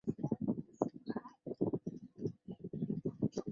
访问非默认手册页区段的语法在不同的软件实现中是不一样的。